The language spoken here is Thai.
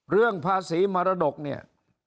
เรื่องภาษีมรดกเนี่ย